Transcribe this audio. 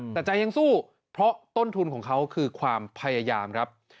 แต่ใจยังสู้เพราะต้นทุนของเขาคือความพยายามครับ